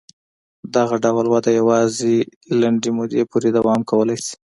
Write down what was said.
دغه ډول وده یوازې لنډې مودې پورې دوام کولای شي.